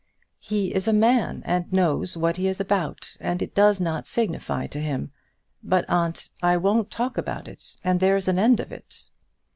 "He is a man, and knows what he is about, and it does not signify to him. But, aunt, I won't talk about it, and there's an end of it."